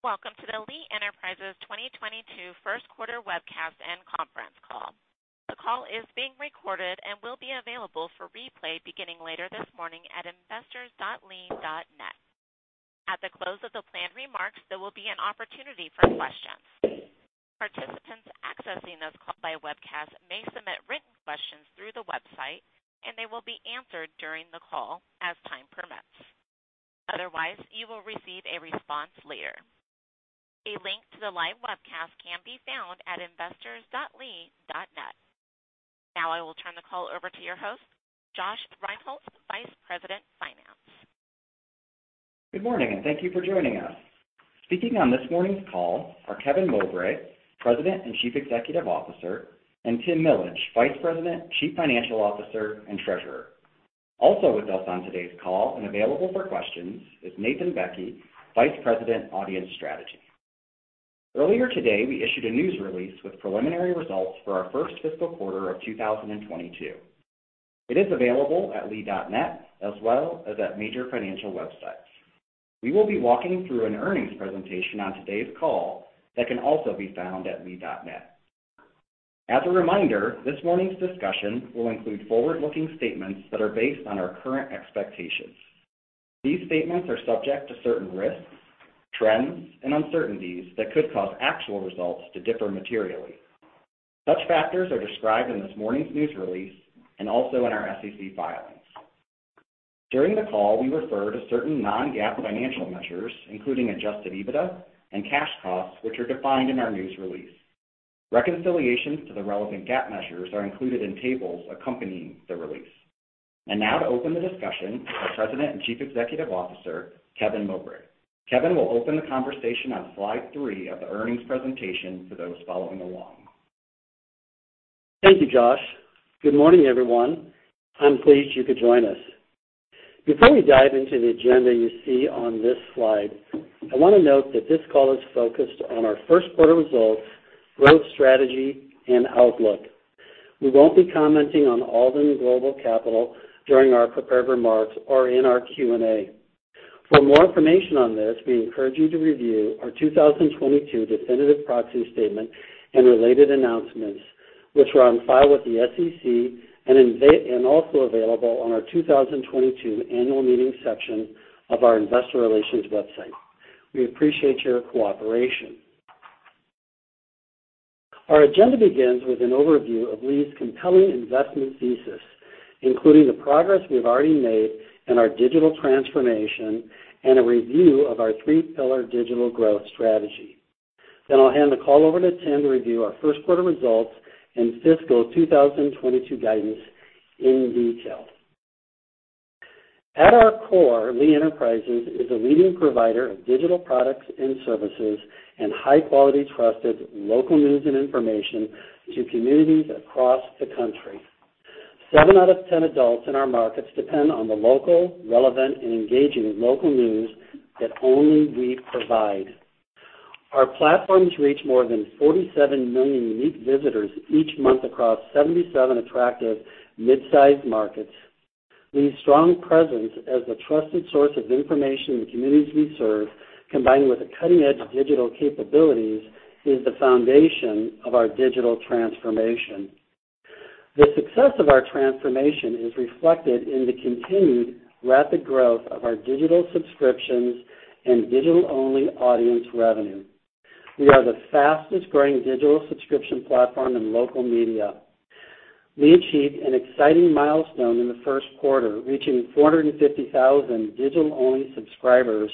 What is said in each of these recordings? Welcome to the Lee Enterprises 2022 first quarter webcast and conference call. The call is being recorded and will be available for replay beginning later this morning at investors.lee.net. At the close of the planned remarks, there will be an opportunity for questions. Participants accessing this call by webcast may submit written questions through the website, and they will be answered during the call as time permits. Otherwise, you will receive a response later. A link to the live webcast can be found at investors.lee.net. Now I will turn the call over to your host, Josh Rinehults, Vice President, Finance. Good morning, and thank you for joining us. Speaking on this morning's call are Kevin Mowbray, President and Chief Executive Officer, and Tim Millage, Vice President, Chief Financial Officer, and Treasurer. Also with us on today's call and available for questions is Nathan Bekke, Vice President, Audience Strategy. Earlier today, we issued a news release with preliminary results for our first fiscal quarter of 2022. It is available at lee.net as well as at major financial websites. We will be walking through an earnings presentation on today's call that can also be found at lee.net. As a reminder, this morning's discussion will include forward-looking statements that are based on our current expectations. These statements are subject to certain risks, trends, and uncertainties that could cause actual results to differ materially. Such factors are described in this morning's news release and also in our SEC filings. During the call, we refer to certain non-GAAP financial measures, including adjusted EBITDA and cash costs, which are defined in our news release. Reconciliations to the relevant GAAP measures are included in tables accompanying the release. Now to open the discussion, our President and Chief Executive Officer, Kevin Mowbray. Kevin will open the conversation on Slide 3 of the earnings presentation for those following along. Thank you, Josh. Good morning, everyone. I'm pleased you could join us. Before we dive into the agenda you see on this slide, I wanna note that this call is focused on our first quarter results, growth strategy, and outlook. We won't be commenting on Alden Global Capital during our prepared remarks or in our Q&A. For more information on this, we encourage you to review our 2022 definitive proxy statement and related announcements, which are on file with the SEC and also available on our 2022 annual meeting section of our investor relations website. We appreciate your cooperation. Our agenda begins with an overview of Lee's compelling investment thesis, including the progress we've already made in our digital transformation and a review of our three-pillar digital growth strategy. I'll hand the call over to Tim to review our first quarter results and fiscal 2022 guidance in detail. At our core, Lee Enterprises is a leading provider of digital products and services and high-quality, trusted local news and information to communities across the country. Seven out of 10 adults in our markets depend on the local, relevant, and engaging local news that only we provide. Our platforms reach more than 47 million unique visitors each month across 77 attractive mid-sized markets. Lee's strong presence as the trusted source of information in the communities we serve, combined with cutting-edge digital capabilities, is the foundation of our digital transformation. The success of our transformation is reflected in the continued rapid growth of our digital subscriptions and digital-only audience revenue. We are the fastest-growing digital subscription platform in local media. We achieved an exciting milestone in the first quarter, reaching 450,000 digital-only subscribers,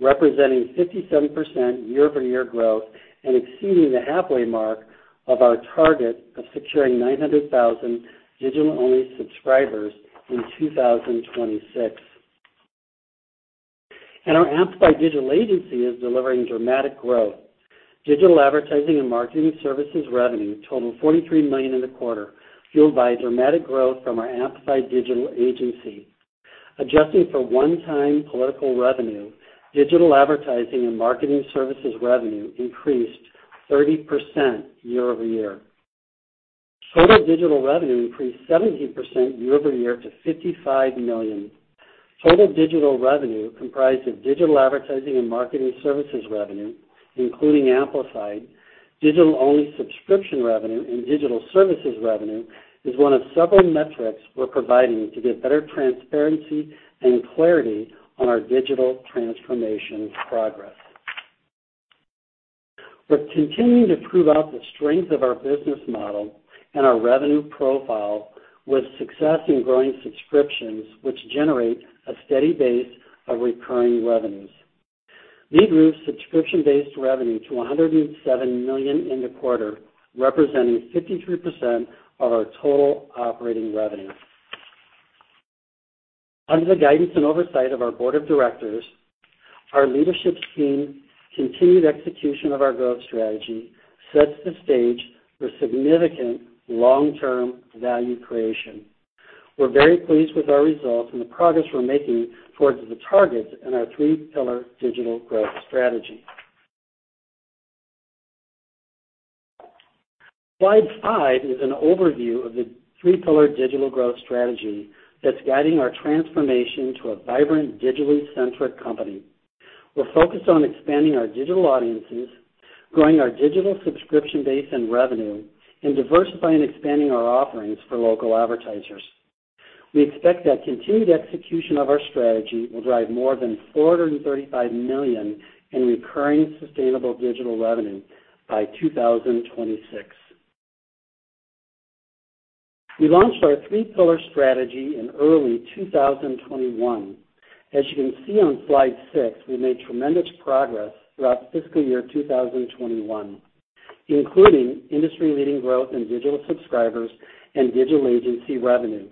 representing 57% year-over-year growth and exceeding the halfway mark of our target of securing 900,000 digital-only subscribers in 2026. Our Amplified Digital agency is delivering dramatic growth. Digital advertising and marketing services revenue totaled $43 million in the quarter, fueled by dramatic growth from our Amplified Digital agency. Adjusting for one-time political revenue, digital advertising and marketing services revenue increased 30% year-over-year. Total digital revenue increased 17% year-over-year to $55 million. Total digital revenue, comprised of digital advertising and marketing services revenue, including Amplified Digital, digital-only subscription revenue, and digital services revenue, is one of several metrics we're providing to give better transparency and clarity on our digital transformation progress. We're continuing to prove out the strength of our business model and our revenue profile with success in growing subscriptions, which generate a steady base of recurring revenues. Lee grew subscription-based revenue to $107 million in the quarter, representing 53% of our total operating revenue. Under the guidance and oversight of our board of directors, our leadership team continued execution of our growth strategy sets the stage for significant long-term value creation. We're very pleased with our results and the progress we're making towards the targets in our three-pillar digital growth strategy. Slide 5 is an overview of the three-pillar digital growth strategy that's guiding our transformation to a vibrant digitally centric company. We're focused on expanding our digital audiences, growing our digital subscription base and revenue, and diversifying and expanding our offerings for local advertisers. We expect that continued execution of our strategy will drive more than $435 million in recurring sustainable digital revenue by 2026. We launched our three pillar strategy in early 2021. As you can see on Slide 6, we made tremendous progress throughout fiscal year 2021, including industry leading growth in digital subscribers and digital agency revenue.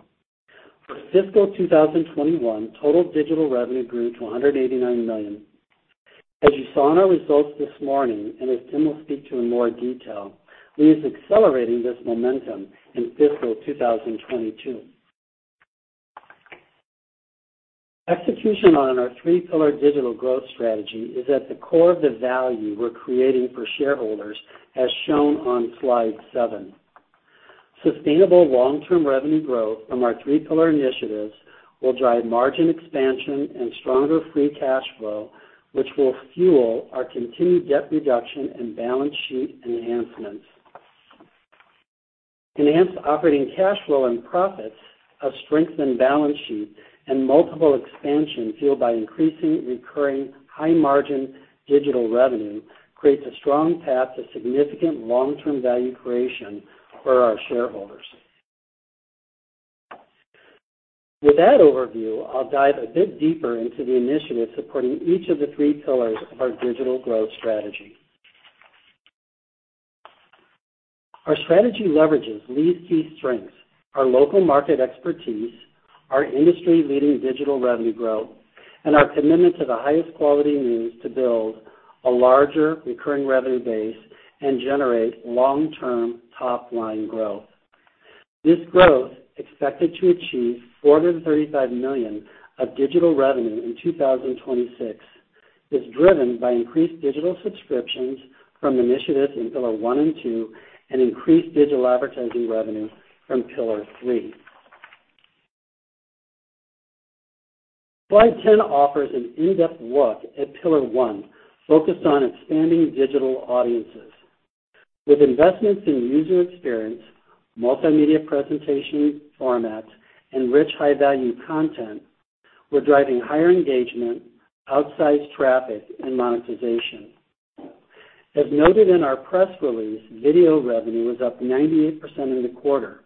For fiscal 2021, total digital revenue grew to $189 million. As you saw in our results this morning, and as Tim will speak to in more detail, we're accelerating this momentum in fiscal 2022. Execution on our three pillar digital growth strategy is at the core of the value we're creating for shareholders as shown on Slide 7. Sustainable long-term revenue growth from our three pillar initiatives will drive margin expansion and stronger free cash flow, which will fuel our continued debt reduction and balance sheet enhancements. Enhanced operating cash flow and profits, a strengthened balance sheet and multiple expansion fueled by increasing recurring high margin digital revenue creates a strong path to significant long-term value creation for our shareholders. With that overview, I'll dive a bit deeper into the initiatives supporting each of the three pillars of our digital growth strategy. Our strategy leverages Lee's key strengths, our local market expertise, our industry leading digital revenue growth, and our commitment to the highest quality news to build a larger recurring revenue base and generate long-term top line growth. This growth, expected to achieve $435 million in digital revenue in 2026, is driven by increased digital subscriptions from initiatives in Pillar 1 and 2 and increased digital advertising revenue from Pillar 3. Slide 10 offers an in-depth look at Pillar 1 focused on expanding digital audiences. With investments in user experience, multimedia presentation format, and rich high-value content, we're driving higher engagement, outsized traffic, and monetization. As noted in our press release, video revenue was up 98% in the quarter.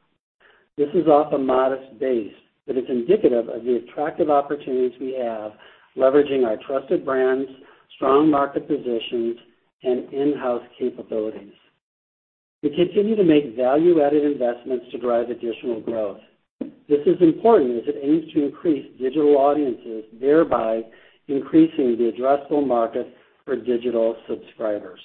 This is off a modest base, but it's indicative of the attractive opportunities we have leveraging our trusted brands, strong market positions, and in-house capabilities. We continue to make value-added investments to drive additional growth. This is important as it aims to increase digital audiences, thereby increasing the addressable market for digital subscribers.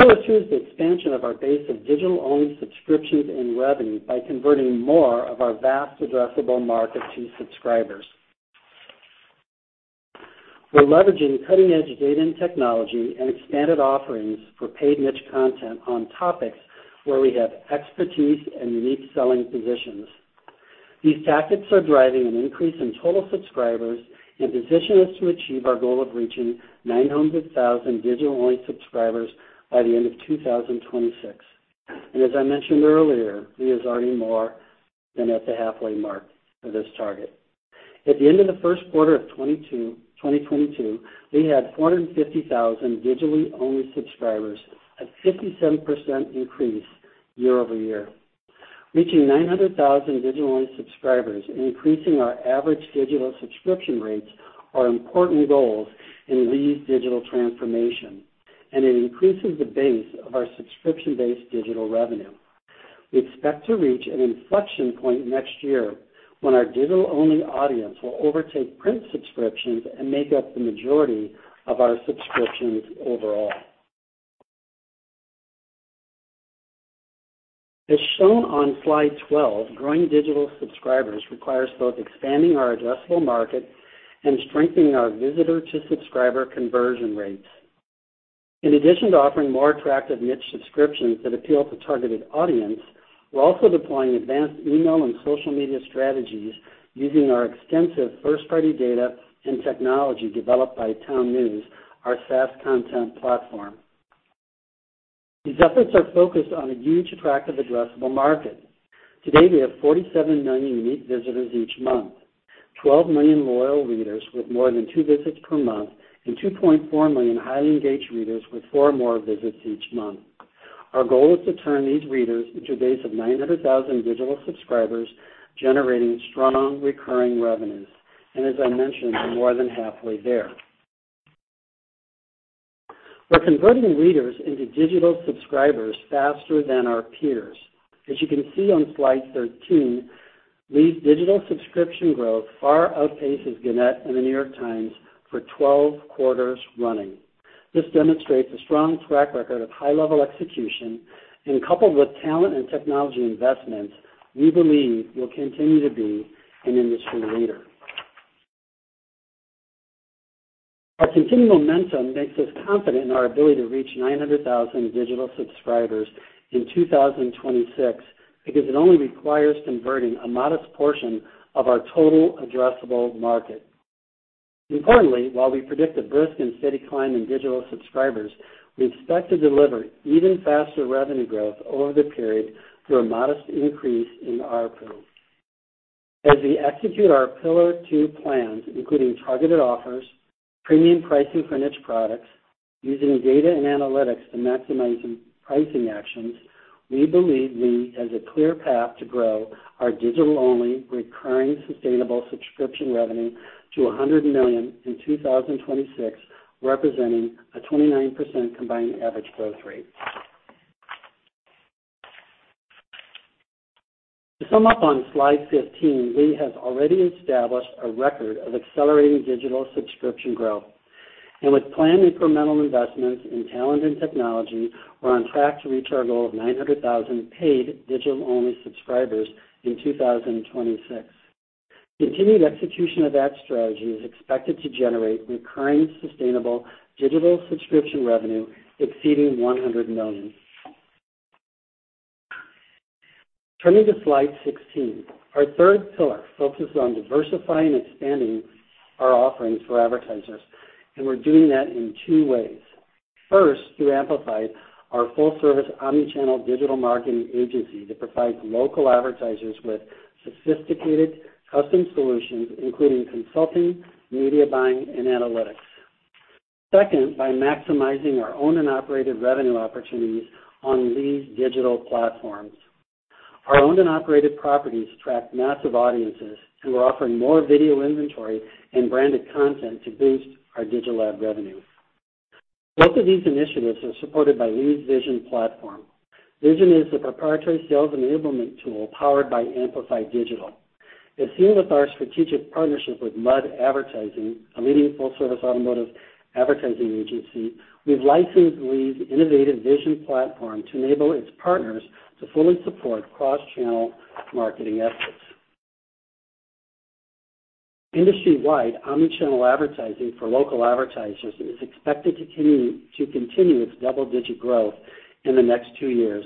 Pillar 2 is the expansion of our base of digital-only subscriptions and revenue by converting more of our vast addressable market to subscribers. We're leveraging cutting-edge data and technology and expanded offerings for paid niche content on topics where we have expertise and unique selling positions. These tactics are driving an increase in total subscribers and position us to achieve our goal of reaching 900,000 digital only subscribers by the end of 2026. As I mentioned earlier, we are already more than at the halfway mark for this target. At the end of the first quarter of 2022, we had 450,000 digitally only subscribers, a 57% increase year-over-year. Reaching 900,000 digital only subscribers and increasing our average digital subscription rates are important goals in Lee's digital transformation, and it increases the base of our subscription-based digital revenue. We expect to reach an inflection point next year when our digital-only audience will overtake print subscriptions and make up the majority of our subscriptions overall. As shown on Slide 12, growing digital subscribers requires both expanding our addressable market and strengthening our visitor to subscriber conversion rates. In addition to offering more attractive niche subscriptions that appeal to targeted audience, we're also deploying advanced email and social media strategies using our extensive first-party data and technology developed by TownNews, our SaaS content platform. These efforts are focused on a huge attractive addressable market. Today, we have 47 million unique visitors each month, 12 million loyal readers with more than two visits per month, and 2.4 million highly engaged readers with four or more visits each month. Our goal is to turn these readers into a base of 900,000 digital subscribers generating strong recurring revenues, and as I mentioned, we're more than halfway there. We're converting readers into digital subscribers faster than our peers. As you can see on Slide 13, Lee's digital subscription growth far outpaces Gannett and The New York Times for 12 quarters running. This demonstrates a strong track record of high-level execution and, coupled with talent and technology investments, we believe will continue to be an industry leader. Our continued momentum makes us confident in our ability to reach 900,000 digital subscribers in 2026, because it only requires converting a modest portion of our total addressable market. Importantly, while we predict a brisk and steady climb in digital subscribers, we expect to deliver even faster revenue growth over the period through a modest increase in ARP. As we execute our Pillar 2 plans, including targeted offers, premium pricing for niche products, using data and analytics to maximize pricing actions, we believe we have a clear path to grow our digital-only recurring sustainable subscription revenue to $100 million in 2026, representing a 29% combined average growth rate To sum up on Slide 15, we have already established a record of accelerating digital subscription growth. With planned incremental investments in talent and technology, we're on track to reach our goal of 900,000 paid digital-only subscribers in 2026. Continued execution of that strategy is expected to generate recurring sustainable digital subscription revenue exceeding $100 million. Turning to Slide 16. Our Pillar 3 focuses on diversifying and expanding our offerings for advertisers, and we're doing that in two ways. First, through Amplified, our full-service omni-channel digital marketing agency that provides local advertisers with sophisticated custom solutions, including consulting, media buying, and analytics. Second, by maximizing our owned and operated revenue opportunities on these digital platforms. Our owned and operated properties attract massive audiences, offering more video inventory and branded content to boost our digital ad revenue. Both of these initiatives are supported by Lee's Vision platform. Vision is a proprietary sales enablement tool powered by Amplified Digital. In sync with our strategic partnership with Mudd Advertising, a leading full-service automotive advertising agency, we've licensed Lee's innovative Vision platform to enable its partners to fully support cross-channel marketing efforts. Industry-wide, omni-channel advertising for local advertisers is expected to continue its double-digit growth in the next two years.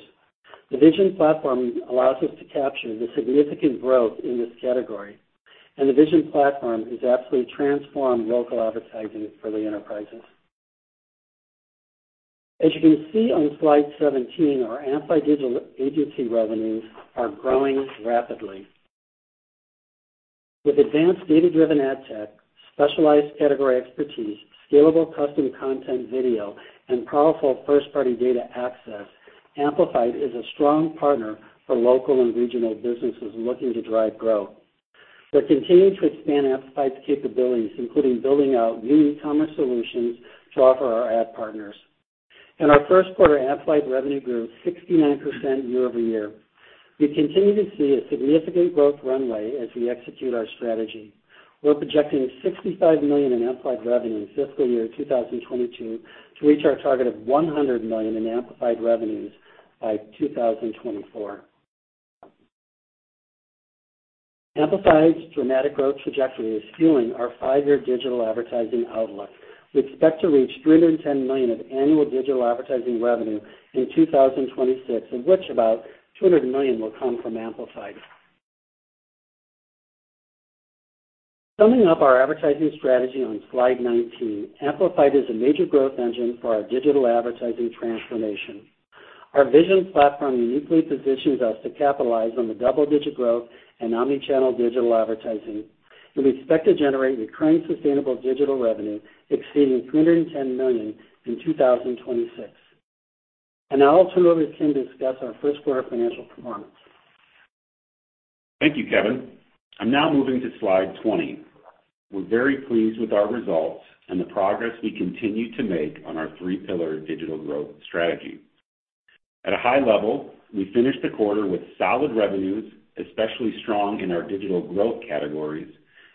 The Vision platform allows us to capture the significant growth in this category, and the Vision platform has absolutely transformed local advertising for Lee Enterprises. As you can see on Slide 17, our Amplified Digital agency revenues are growing rapidly. With advanced data-driven ad tech, specialized category expertise, scalable custom content video, and powerful first-party data access, Amplified Digital is a strong partner for local and regional businesses looking to drive growth. We're continuing to expand Amplify's capabilities, including building out new e-commerce solutions to offer our ad partners. In our first quarter, Amplify revenue grew 69% year-over-year. We continue to see a significant growth runway as we execute our strategy. We're projecting $65 million in Amplify revenue in FY 2022 to reach our target of $100 million in Amplify revenues by 2024. Amplify's dramatic growth trajectory is fueling our five-year digital advertising outlook. We expect to reach $310 million of annual digital advertising revenue in 2026, of which about $200 million will come from Amplify. Summing up our advertising strategy on Slide 19, Amplify is a major growth engine for our digital advertising transformation. Our Vision platform uniquely positions us to capitalize on the double-digit growth in omni-channel digital advertising, and we expect to generate recurring sustainable digital revenue exceeding $310 million in 2026. Now I'll turn it over to Tim to discuss our first quarter financial performance. Thank you, Kevin. I'm now moving to Slide 20. We're very pleased with our results and the progress we continue to make on our three-pillar digital growth strategy. At a high level, we finished the quarter with solid revenues, especially strong in our digital growth categories,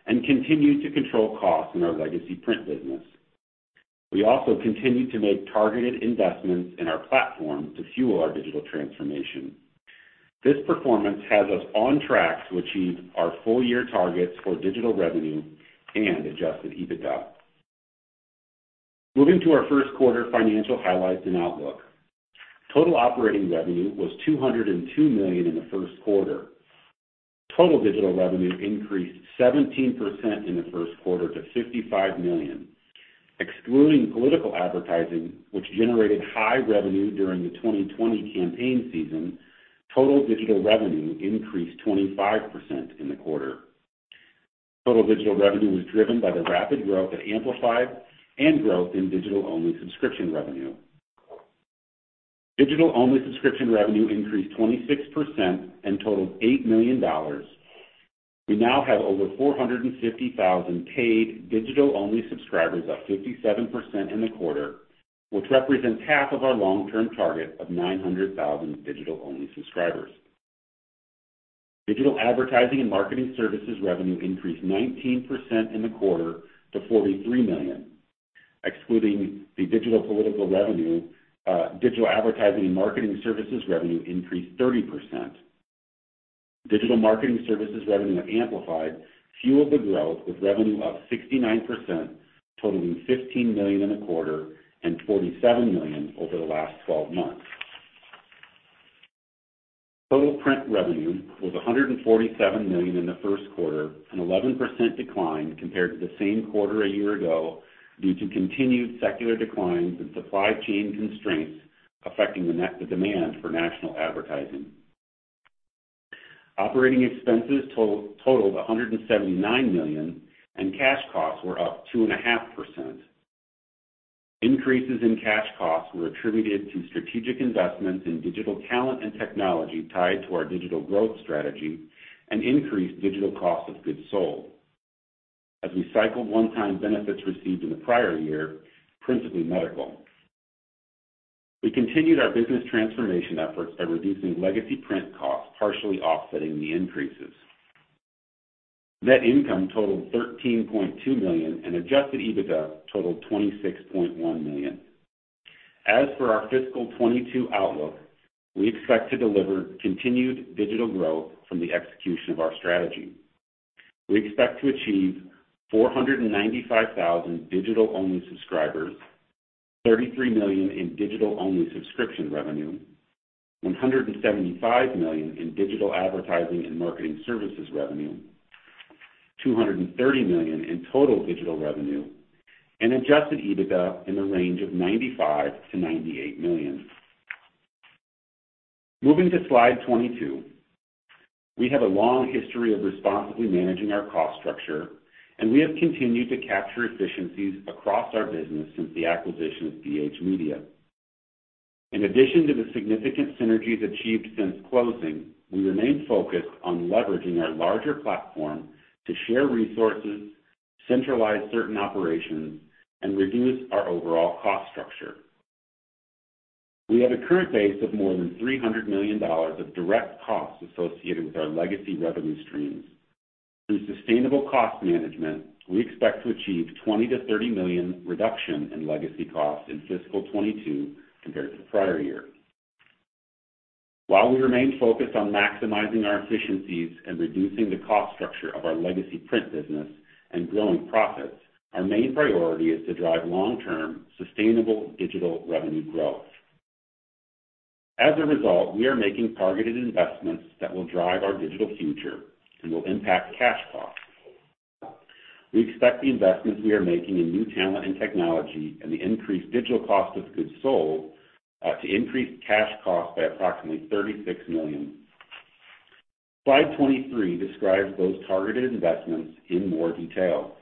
and continued to control costs in our legacy print business. We also continued to make targeted investments in our platform to fuel our digital transformation. This performance has us on track to achieve our full-year targets for digital revenue and adjusted EBITDA. Moving to our first quarter financial highlights and outlook. Total operating revenue was $202 million in the first quarter. Total digital revenue increased 17% in the first quarter to $55 million. Excluding political advertising, which generated high revenue during the 2020 campaign season, total digital revenue increased 25% in the quarter. Total digital revenue was driven by the rapid growth of Amplified and growth in digital-only subscription revenue. Digital-only subscription revenue increased 26% and totaled $8 million. We now have over 450,000 paid digital-only subscribers, up 57% in the quarter, which represents 1/2 of our long-term target of 900,000 digital-only subscribers. Digital advertising and marketing services revenue increased 19% in the quarter to $43 million. Excluding the digital political revenue, digital advertising and marketing services revenue increased 30%. Digital marketing services revenue at Amplified fueled the growth with revenue up 69%, totaling $15 million in a quarter and $47 million over the last 12 months. Total print revenue was $147 million in the first quarter, an 11% decline compared to the same quarter a year ago due to continued secular declines and supply chain constraints affecting the demand for national advertising. Operating expenses totaled $179 million, and cash costs were up 2.5%. Increases in cash costs were attributed to strategic investments in digital talent and technology tied to our digital growth strategy and increased digital cost of goods sold as we cycled one-time benefits received in the prior year, principally medical. We continued our business transformation efforts by reducing legacy print costs, partially offsetting the increases. Net income totaled $13.2 million, and adjusted EBITDA totaled $26.1 million. As for our fiscal 2022 outlook, we expect to deliver continued digital growth from the execution of our strategy. We expect to achieve 495,000 digital-only subscribers, $33 million in digital-only subscription revenue, $175 million in digital advertising and marketing services revenue, $230 million in total digital revenue, and adjusted EBITDA in the range of $95-$98 million. Moving to Slide 22, we have a long history of responsibly managing our cost structure, and we have continued to capture efficiencies across our business since the acquisition of BH Media. In addition to the significant synergies achieved since closing, we remain focused on leveraging our larger platform to share resources, centralize certain operations, and reduce our overall cost structure. We have a current base of more than $300 million of direct costs associated with our legacy revenue streams. Through sustainable cost management, we expect to achieve $20 million-$30 million reduction in legacy costs in FY 2022 compared to the prior year. While we remain focused on maximizing our efficiencies and reducing the cost structure of our legacy print business and growing profits, our main priority is to drive long-term, sustainable digital revenue growth. As a result, we are making targeted investments that will drive our digital future and will impact cash costs. We expect the investments we are making in new talent and technology and the increased digital cost of goods sold to increase cash costs by approximately $36 million. Slide 23 describes those targeted investments in more detail.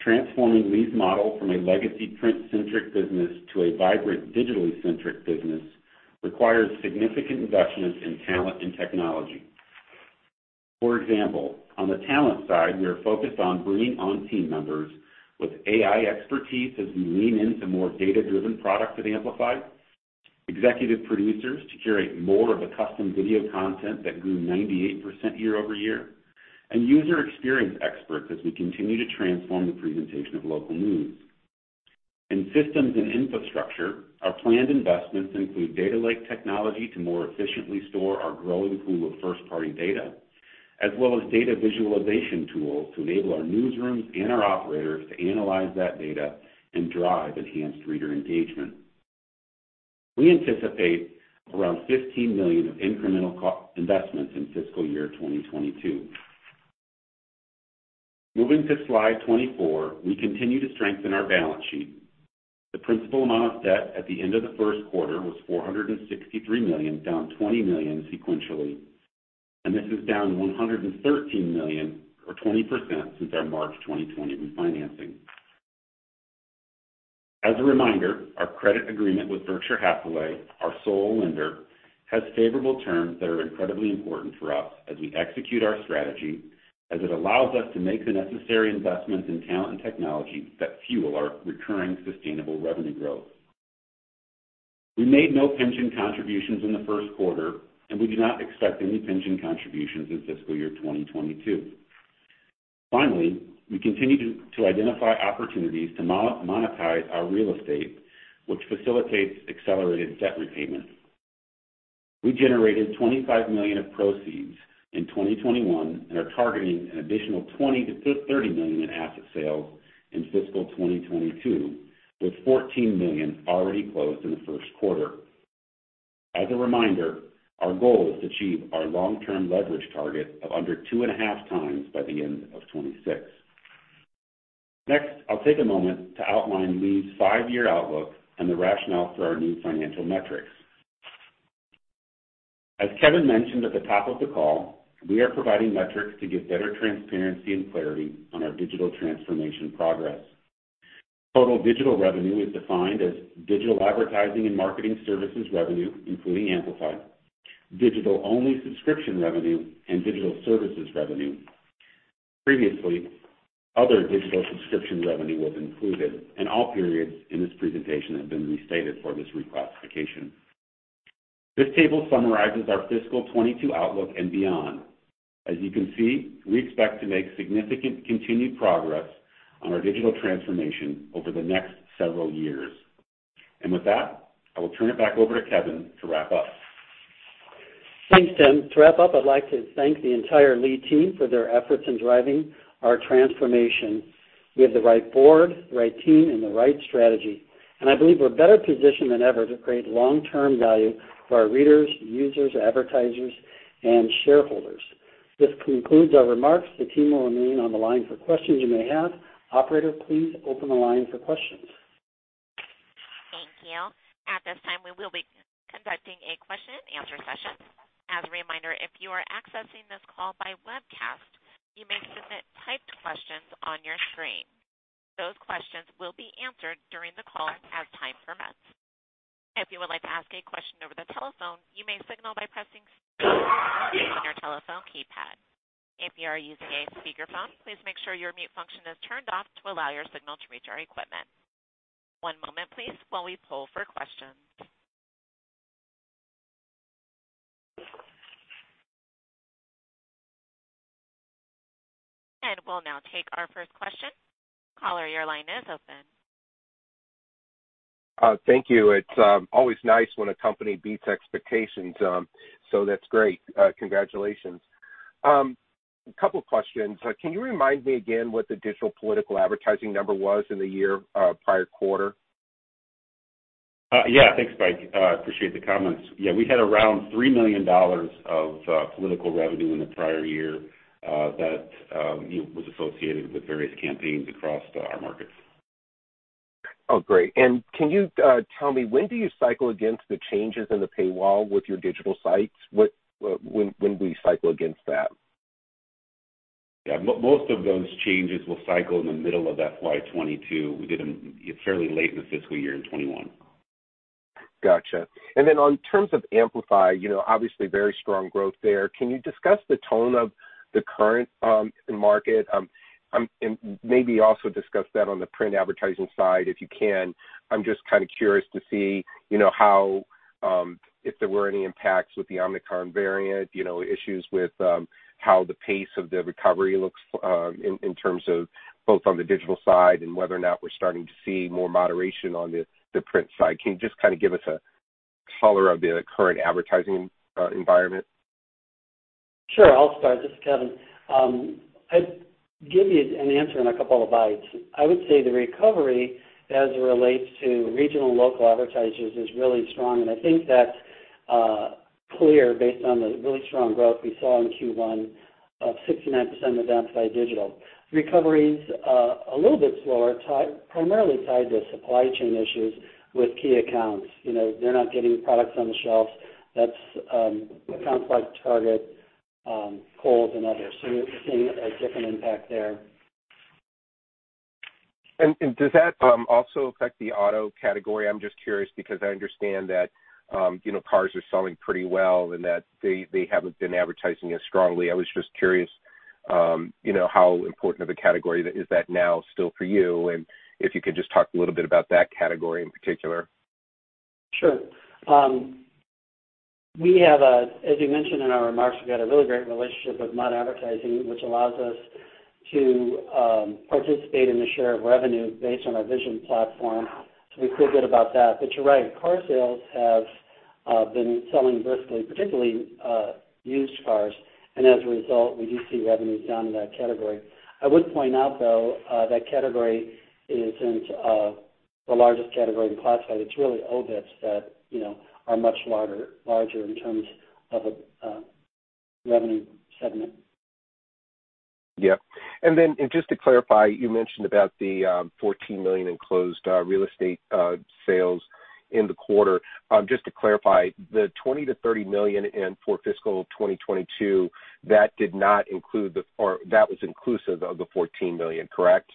Transforming Lee's model from a legacy print-centric business to a vibrant digitally-centric business requires significant investments in talent and technology. For example, on the talent side, we are focused on bringing on team members with AI expertise as we lean into more data-driven products at Amplified, executive producers to curate more of the custom video content that grew 98% year-over-year, and user experience experts as we continue to transform the presentation of local news. In systems and infrastructure, our planned investments include data lake technology to more efficiently store our growing pool of first-party data, as well as data visualization tools to enable our newsrooms and our operators to analyze that data and drive enhanced reader engagement. We anticipate around $15 million of incremental co-investments in FY 2022. Moving to Slide 24, we continue to strengthen our balance sheet. The principal amount of debt at the end of the first quarter was $463 million, down $20 million sequentially, and this is down $113 million or 20% since our March 2020 refinancing. As a reminder, our credit agreement with Berkshire Hathaway, our sole lender, has favorable terms that are incredibly important for us as we execute our strategy, as it allows us to make the necessary investments in talent and technology that fuel our recurring sustainable revenue growth. We made no pension contributions in the first quarter, and we do not expect any pension contributions in fiscal year 2022. Finally, we continue to identify opportunities to monetize our real estate, which facilitates accelerated debt repayment. We generated $25 million of proceeds in 2021 and are targeting an additional $20 million-$30 million in asset sales in fiscal 2022, with $14 million already closed in the first quarter. As a reminder, our goal is to achieve our long-term leverage target of under 2.5x by the end of 2026. Next, I'll take a moment to outline Lee's 5-year outlook and the rationale for our new financial metrics. As Kevin mentioned at the top of the call, we are providing metrics to give better transparency and clarity on our digital transformation progress. Total digital revenue is defined as digital advertising and marketing services revenue, including Amplify, digital-only subscription revenue, and digital services revenue. Previously, other digital subscription revenue was included, and all periods in this presentation have been restated for this reclassification. This table summarizes our fiscal 2022 outlook and beyond. As you can see, we expect to make significant continued progress on our digital transformation over the next several years. With that, I will turn it back over to Kevin to wrap up. Thanks, Tim. To wrap up, I'd like to thank the entire Lee team for their efforts in driving our transformation. We have the right board, the right team, and the right strategy, and I believe we're better positioned than ever to create long-term value for our readers, users, advertisers, and shareholders. This concludes our remarks. The team will remain on the line for questions you may have. Operator, please open the line for questions. Thank you. At this time, we will be conducting a question and answer session. As a reminder, if you are accessing this call by webcast, you may submit typed questions on your screen. Those questions will be answered during the call as time permits. If you would like to ask a question over the telephone, you may signal by pressing Star on your telephone keypad. If you are using a speakerphone, please make sure your mute function is turned off to allow your signal to reach our equipment. One moment please while we poll for questions. We'll now take our first question. Caller, your line is open. Thank you. It's always nice when a company beats expectations, so that's great. Congratulations. A couple questions. Can you remind me again what the digital political advertising number was in the year, prior quarter? Yeah. Thanks, Mike. I appreciate the comments. Yeah, we had around $3 million of political revenue in the prior year that you know was associated with various campaigns across our markets. Oh, great. Can you tell me, when do you cycle against the changes in the paywall with your digital sites? When do you cycle against that? Yeah, most of those changes will cycle in the middle of FY 2022. We did them fairly late in the fiscal year in 2021. Gotcha. In terms of Amplify, you know, obviously very strong growth there. Can you discuss the tone of the current market? Maybe also discuss that on the print advertising side, if you can. I'm just kinda curious to see, you know, how, if there were any impacts with the Omicron variant, you know, issues with, how the pace of the recovery looks, in terms of both on the digital side and whether or not we're starting to see more moderation on the print side. Can you just kinda give us a color of the current advertising environment? Sure. I'll start. This is Kevin. I'd give you an answer in a couple of bites. I would say the recovery as it relates to regional and local advertisers is really strong, and I think that's clear based on the really strong growth we saw in Q1 of 69% of Amplified Digital. Recovery's a little bit slower, primarily tied to supply chain issues with key accounts. You know, they're not getting products on the shelves. That's accounts like Target, Kohl's and others. We're seeing a different impact there. Does that also affect the auto category? I'm just curious because I understand that, you know, cars are selling pretty well and that they haven't been advertising as strongly. I was just curious, you know, how important of a category is that now still for you, and if you could just talk a little bit about that category in particular. Sure. We have, as you mentioned in our remarks, we've got a really great relationship with Mudd Advertising, which allows us to participate in the share of revenue based on our Vision platform. We feel good about that. You're right, car sales have been selling briskly, particularly used cars. As a result, we do see revenues down in that category. I would point out, though, that category isn't the largest category in classified. It's really obits that, you know, are much larger in terms of a revenue segment. Yeah. Just to clarify, you mentioned about the $14 million in closed real estate sales in the quarter. Just to clarify, the $20 million-$30 million for fiscal 2022, that did not include the, or that was inclusive of the $14 million, correct?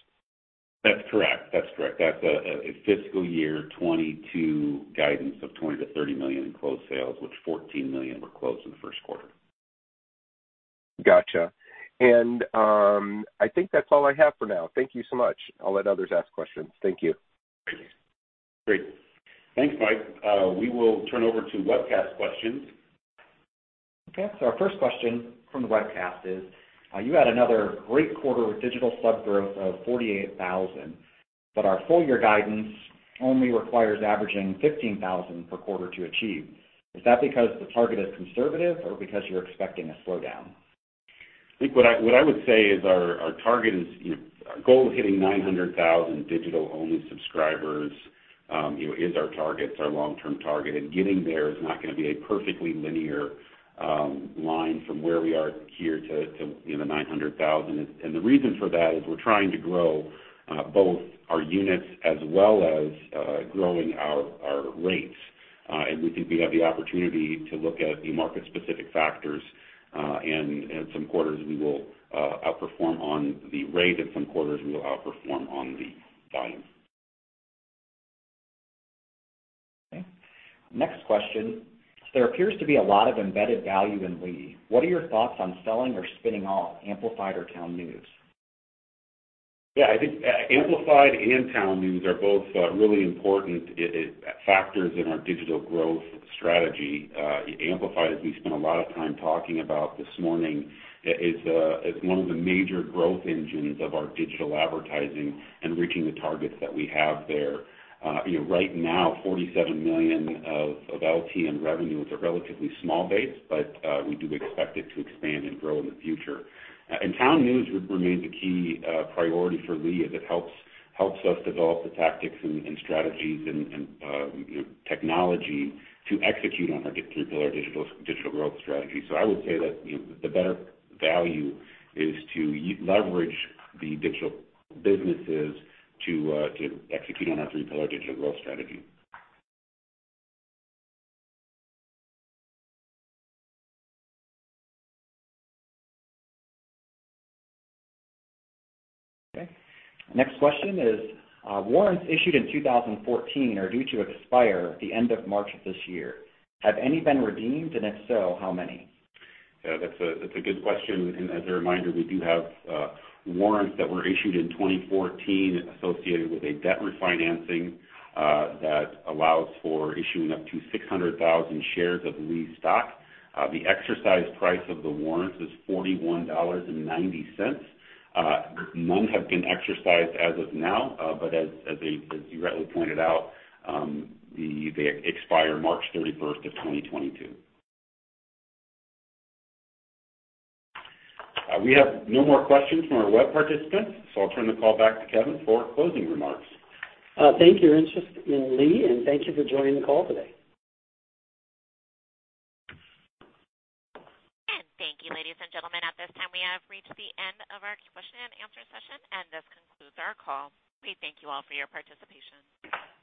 That's correct. That's a fiscal year 2022 guidance of $20 million-$30 million in closed sales, which $14 million were closed in the first quarter. Gotcha. I think that's all I have for now. Thank you so much. I'll let others ask questions. Thank you. Great. Thanks, Mike. We will turn over to webcast questions. Okay. Our first question from the webcast is, you had another great quarter with digital sub growth of 48,000, but our full year guidance only requires averaging 15,000 per quarter to achieve. Is that because the target is conservative or because you're expecting a slowdown? I think what I would say is our target is, you know, our goal is hitting 900,000 digital-only subscribers, you know, is our target. It's our long-term target, and getting there is not gonna be a perfectly linear line from where we are here to, you know, 900,000. The reason for that is we're trying to grow both our units as well as growing our rates. We think we have the opportunity to look at the market-specific factors, and in some quarters we will outperform on the rate. In some quarters, we will outperform on the volume. Okay. Next question. There appears to be a lot of embedded value in Lee. What are your thoughts on selling or spinning off Amplified or TownNews? Yeah, I think Amplified and TownNews are both really important factors in our digital growth strategy. Amplified, we spent a lot of time talking about this morning is one of the major growth engines of our digital advertising and reaching the targets that we have there. You know, right now, $47 million of LTM revenue is a relatively small base, but we do expect it to expand and grow in the future. TownNews remains a key priority for Lee as it helps us develop the tactics and strategies and technology to execute on our three-pillar digital growth strategy. I would say that, you know, the better value is to leverage the digital businesses to execute on our three-pillar digital growth strategy. Okay. Next question is, warrants issued in 2014 are due to expire at the end of March of this year. Have any been redeemed? If so, how many? Yeah, that's a good question. As a reminder, we have warrants that were issued in 2014 associated with a debt refinancing that allows for issuing up to 600,000 shares of Lee's stock. The exercise price of the warrants is $41.90. None have been exercised as of now, but as you rightly pointed out, they expire March 31, 2022. We have no more questions from our web participants. I'll turn the call back to Kevin for closing remarks. Thank you for your interest in Lee, and thank you for joining the call today. Thank you, ladies and gentlemen. At this time, we have reached the end of our question and answer session, and this concludes our call. We thank you all for your participation.